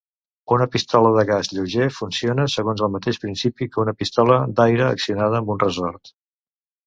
Una pistola de gas lleuger funciona segons el mateix principi que una pistola d'aire accionada amb un ressort.